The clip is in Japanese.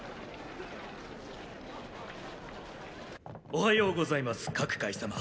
おはようございます郭開様。